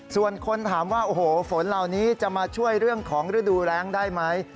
ส่วนคนถามว่าโอ้โหฝนเหล่านี้จะมาช่วยเรื่องของฤดูแรงได้ไหม